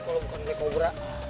kalo bukan black cobra